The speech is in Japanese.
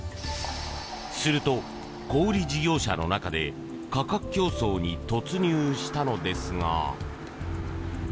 すると、小売り事業者の中で価格競争に突入したのですが。